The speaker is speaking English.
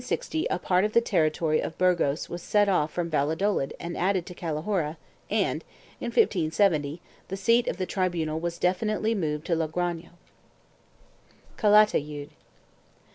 544 APPENDIX of the territory of Burgos was set off from Valladolid and added to Calahorra and, in 1570, the seat of the tribunal was definitely moved to Logrono, q. v.1 CALATAYUD.